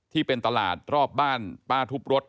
ที่เป็นตลาดรอบบ้านป้าทุบรถ